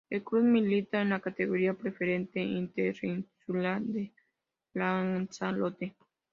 El club milita en la categoría preferente interinsular de Lanzarote.